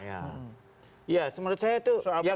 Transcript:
ya menurut saya itu